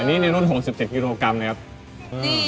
อันนี้ในรุ่น๖๗กิโลกรัมเลยครับ